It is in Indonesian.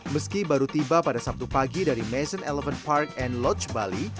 meski baru tiba pada sabtu pagi dari mason elephant park and lodge bali